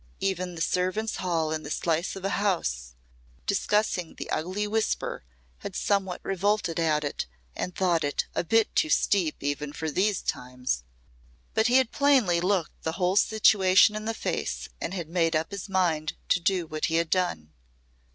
Even the servants' hall in the slice of a house, discussing the ugly whisper had somewhat revolted at it and thought it "a bit too steep even for these times." But he had plainly looked the whole situation in the face and had made up his mind to do what he had done.